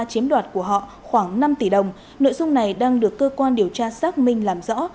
chiếm đoạt của họ khoảng năm tỷ đồng nội dung này đang được cơ quan điều tra xác minh làm rõ